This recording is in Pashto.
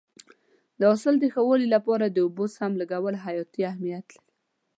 د حاصل د ښه والي لپاره د اوبو سم لګول حیاتي اهمیت لري.